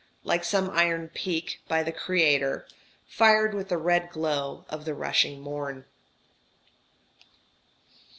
like some iron peak, by the Creator Fired with the red glow of the rushing morn.'"